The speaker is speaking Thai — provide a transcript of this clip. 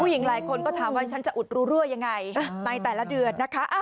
หญิงหลายคนก็ถามว่าฉันจะอุดรูรั่วยังไงในแต่ละเดือนนะคะ